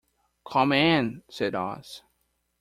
"Come in," said Oz.